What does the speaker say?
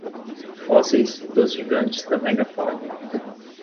Fósseis dos gigantes da megafauna